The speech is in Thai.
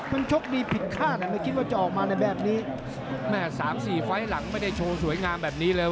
มันชกดีผิดคาดไม่คิดว่าจะออกมาในแบบนี้แม่สามสี่ไฟล์หลังไม่ได้โชว์สวยงามแบบนี้เลย